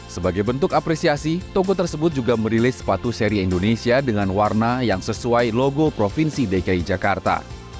sebagai bentuk apresiasi toko tersebut juga merilis sepatu seri indonesia dengan warna yang sesuai logo provinsi dki jakarta